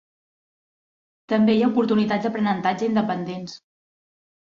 També hi ha oportunitats d'aprenentatge independents.